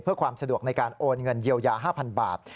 เพื่อความสะดวกในการโอนเงินเยียวยา๕๐๐บาท